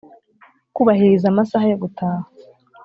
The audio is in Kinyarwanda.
Kubahiriza amasaha yo gutaha